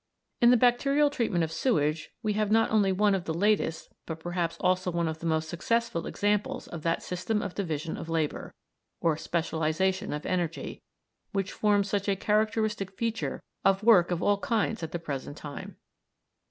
In the bacterial treatment of sewage we have not only one of the latest, but perhaps also one of the most successful examples of that system of division of labour, or specialisation of energy, which forms such a characteristic feature of work of all kinds at the present time.